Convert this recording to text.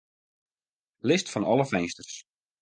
List fan alle finsters.